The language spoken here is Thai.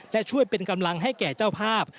และช่วยเป็นกำลังให้แก่เจ้าภาพ